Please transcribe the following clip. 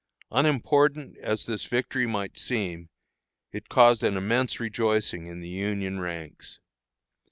Unimportant as this victory might seem, it caused an immense rejoicing in the Union ranks.